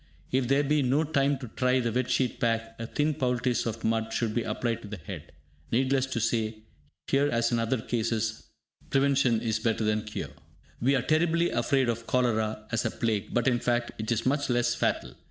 If there be no time to try the "Wet Sheet Pack", a thin poultice of mud should be applied to the head. Needless to say, here as in other cases, prevention is better than cure. Part I, chap. V We are terribly afraid of cholera, as of plague, but in fact, it is much less fatal.